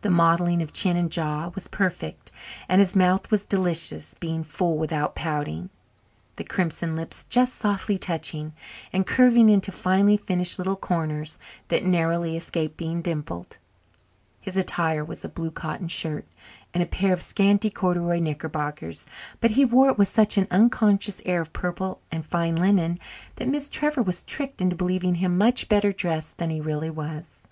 The modelling of chin and jaw was perfect and his mouth was delicious, being full without pouting, the crimson lips just softly touching, and curving into finely finished little corners that narrowly escaped being dimpled. His attire was a blue cotton shirt and a pair of scanty corduroy knickerbockers, but he wore it with such an unconscious air of purple and fine linen that Miss Trevor was tricked into believing him much better dressed than he really was.